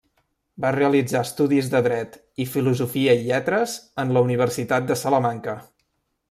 Va realitzar estudis de Dret i Filosofia i Lletres en la Universitat de Salamanca.